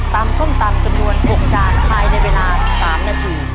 ส้มตำจำนวน๖จานภายในเวลา๓นาที